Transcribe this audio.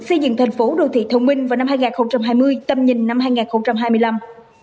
ổ đô thị thông minh vào năm hai nghìn hai mươi tâm nhìn năm hai nghìn hai mươi năm